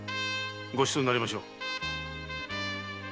ごちそうになりましょう。